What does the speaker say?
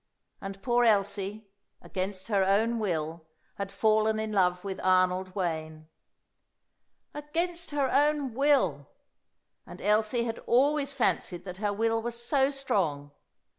And poor Elsie, against her own will, had fallen in love with Arnold Wayne. Against her own will! And Elsie had always fancied that her will was so strong.